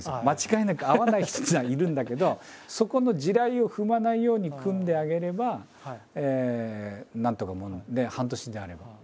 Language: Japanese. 間違いなく合わない人っていうのはいるんだけどそこの地雷を踏まないようにくんであげればなんとか半年であれば。